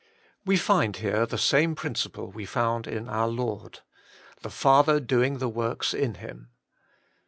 We find here the same principle we found in our Lord — the Father doing the works in Him.